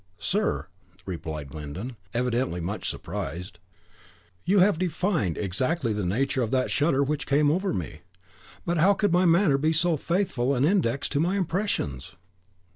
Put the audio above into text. "Sir," replied Glyndon, evidently much surprised, "you have defined exactly the nature of that shudder which came over me. But how could my manner be so faithful an index to my impressions?"